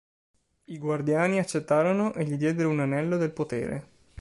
I Guardiani accettarono e gli diedero un anello del potere.